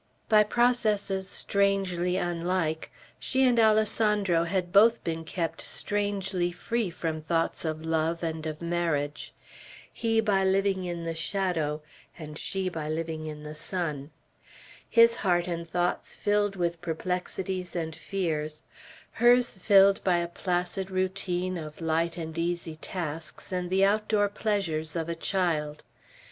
By processes strangely unlike, she and Alessandro had both been kept strangely free from thoughts of love and of marriage, he by living in the shadow, and she by living in the sun; his heart and thoughts filled with perplexities and fears, hers filled by a placid routine of light and easy tasks, and the outdoor pleasures of a child.